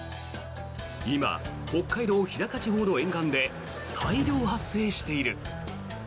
今、北海道・日高地方の沿岸で大量発生している。